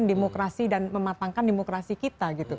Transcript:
demokrasi dan mematangkan demokrasi kita gitu